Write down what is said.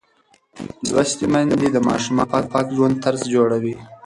لوستې میندې د ماشومانو د پاک ژوند طرز جوړوي.